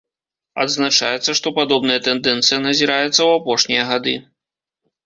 Адзначаецца, што падобная тэндэнцыя назіраецца ў апошнія гады.